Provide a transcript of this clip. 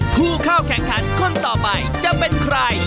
ผู้เข้าแข่งขันคนต่อไปจะเป็นใคร